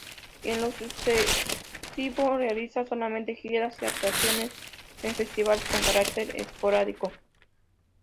En lo sucesivo realizará solamente giras y actuaciones en festivales, con carácter esporádico.